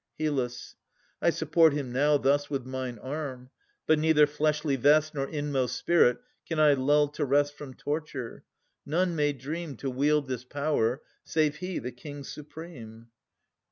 HYL. I support him now Thus with mine arm: but neither fleshly vest Nor inmost spirit can I lull to rest From torture. None may dream To wield this power, save he, the King supreme.